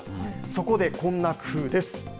そこで、こんな工夫です。